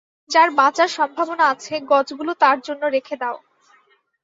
যার বাঁচার সম্ভাবনা আছে গজগুলো তার জন্য রেখে দাও।